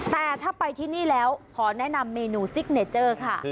แต่ถ้าไปที่นี่แล้วขอแนะนำเมนูซิกเนเจอร์ค่ะ